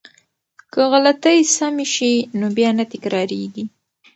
که غلطی سمه شي نو بیا نه تکراریږي.